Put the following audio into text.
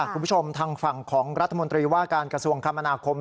คุณผู้ชมทางฝั่งของรัฐมนตรีว่าการกระทรวงคมนาคม